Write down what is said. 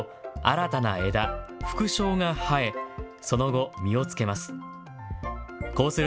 新たな枝、副梢が生えその後、実を付けます。